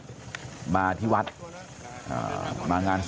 ลูกสาวหลายครั้งแล้วว่าไม่ได้คุยกับแจ๊บเลยลองฟังนะคะ